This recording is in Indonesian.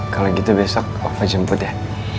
kalau gitu besok aku jemput ya